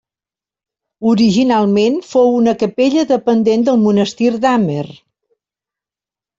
Originalment fou una capella dependent del monestir d'Amer.